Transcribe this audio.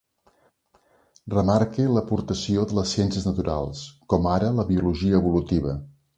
Remarque l'aportació de les ciències naturals, com ara la biologia evolutiva.